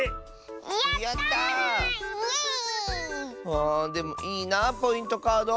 あでもいいなあポイントカード。